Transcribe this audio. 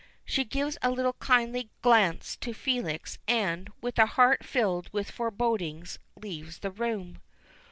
She gives a little kindly glance to Felix, and, with a heart filled with forebodings, leaves the room.